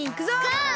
ゴー！